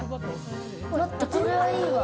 待って、これはいいわ。